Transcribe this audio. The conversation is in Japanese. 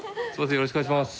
よろしくお願いします。